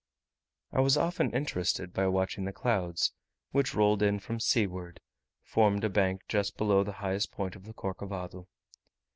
I was often interested by watching the clouds, which, rolling in from seaward, formed a bank just beneath the highest point of the Corcovado.